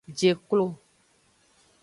Je klo.